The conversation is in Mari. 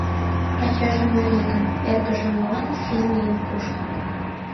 Ачаже марий гын, эргыже молан финн лийын кушкын?